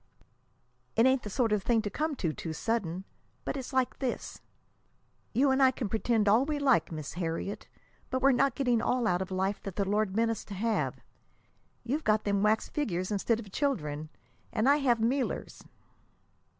"It ain't the sort of thing to come to too sudden. But it's like this. You and I can pretend all we like, Miss Harriet; but we're not getting all out of life that the Lord meant us to have. You've got them wax figures instead of children, and I have mealers."